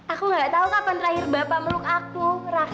aku gak tau kapan terakhir bapak meluk aku raka